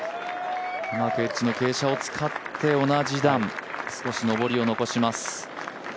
うまくエッジの傾斜を使って同じ段、少し上りを残します。